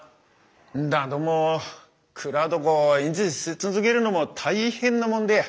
だども蔵どこを維持し続けるのも大変なもんで。